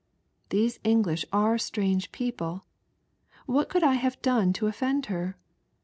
These English are strange people; what could I have done to offend her